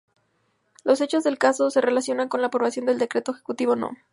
Los hechos del caso se relacionan con la aprobación del Decreto Ejecutivo No.